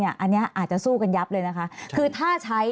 อันนี้อาจจะสู้กันยับเลยนะคะ